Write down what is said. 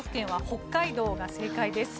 北海道が正解です。